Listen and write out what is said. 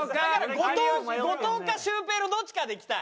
後藤後藤かシュウペイのどっちかでいきたい。